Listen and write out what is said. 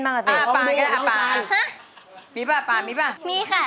ส่งความคิดถึงเลี้ยวไปในอากาศ